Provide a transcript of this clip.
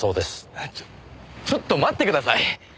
えっちょっちょっと待ってください。